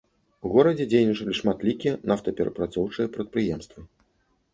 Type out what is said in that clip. У горадзе дзейнічалі шматлікія нафтаперапрацоўчыя прадпрыемствы.